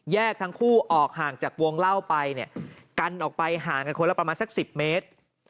ทั้งคู่ออกห่างจากวงเล่าไปเนี่ยกันออกไปห่างกันคนละประมาณสัก๑๐เมตร